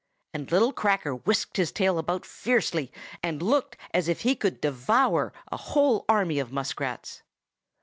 and little Cracker whisked his tail about fiercely, and looked as if he could devour a whole army of muskrats.